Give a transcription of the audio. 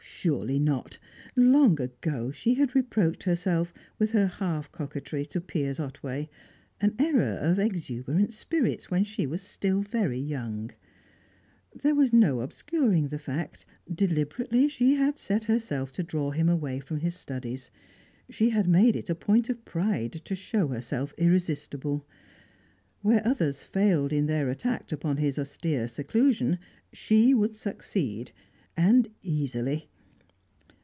Surely not. Long ago she had reproached herself with her half coquetry to Piers Otway, an error of exuberant spirits when she was still very young. There was no obscuring the fact; deliberately she had set herself to draw him away from his studies; she had made it a point of pride to show herself irresistible. Where others failed in their attack upon his austere seclusion, she would succeed, and easily.